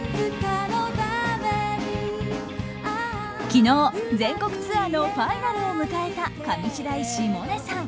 昨日、全国ツアーのファイナルを迎えた上白石萌音さん。